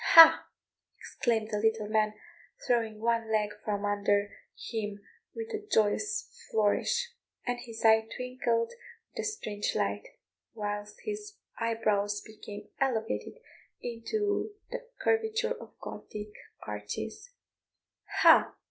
"Ha!" exclaimed the little man, throwing one leg from under him with a joyous flourish, and his eye twinkled with a strange light, whilst his eyebrows became elevated into the curvature of Gothic arches; "Ha!"